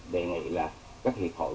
đề nghị là các hiệp hội